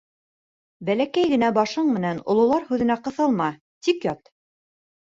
— Бәләкәй генә башың менән ололар һүҙенә ҡыҫылма, тик ят!